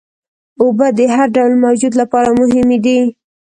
اوبه د هر ډول موجود لپاره مهمې دي.